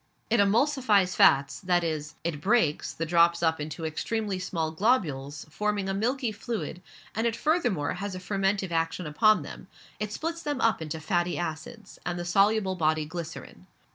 It emulsifies fats, that is, it breaks, the drops up into extremely small globules, forming a milky fluid, and it furthermore has a fermentive action upon them; it splits them up into fatty acids, and the soluble body glycerine.